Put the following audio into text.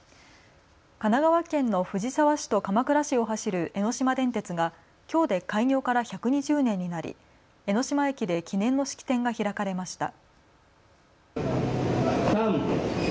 神奈川県の藤沢市と鎌倉市を走る江ノ島電鉄がきょうで開業から１２０年になり、江ノ島駅で記念の式典が開かれました。